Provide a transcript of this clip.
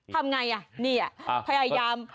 ทำไงนี่พยายาม